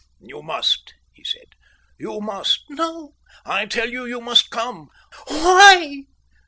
"You must," he said. "You must." "No." "I tell you, you must come." "Why?"